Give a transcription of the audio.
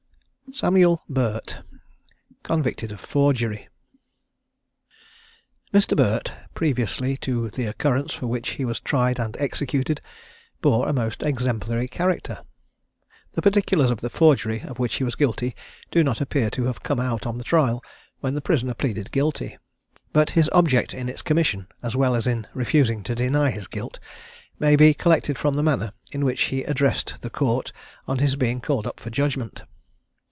SAMUEL BURT. CONVICTED OF FORGERY. Mr. Burt, previously to the occurrence for which he was tried and executed, bore a most exemplary character. The particulars of the forgery of which he was guilty do not appear to have come out on the trial, when the prisoner pleaded guilty; but his object in its commission, as well as in refusing to deny his guilt, may be collected from the manner in which he addressed the Court on his being called up for judgment.